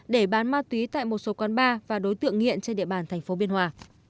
để bán ma túy tại một số quán bar và đối tượng nghiện trên địa bàn tp biên hòa